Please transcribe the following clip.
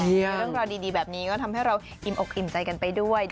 เรื่องราวดีแบบนี้ก็ทำให้เราอิ่มอกอิ่มใจกันไปด้วย